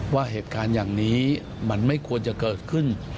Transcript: ว่าเหตุการณ์อย่างนี้มันไม่ควรจะเกิดขึ้น